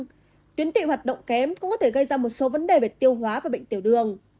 nếu tiến tụy hoạt động kém cũng có thể gây ra một số vấn đề về tiêu hóa và bệnh tiểu đường